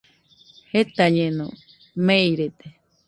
Jetañeno, meirede.